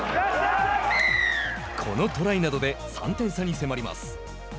このトライなどで３点差に迫ります。